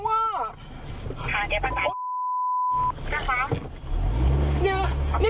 ค่ะเดี๋ยวมาปาดอีกแล้ว